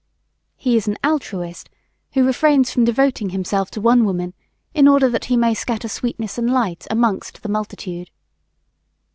He is an altruist who refrains from devoting himself to one woman in order that he may scatter sweetness and light amongst the multitude.